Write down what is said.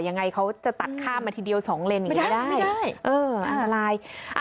ยังไงเขาจะตัดข้ามมาทีเดียว๒เล่นไม่ได้อันตราย